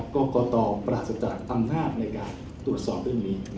ก็ก่อตอบปราศจากธรรมนาฬในการตรวจสอบเรื่องนี้